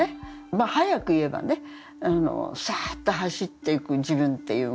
まあ早く言えばねさっと走っていく自分というもの。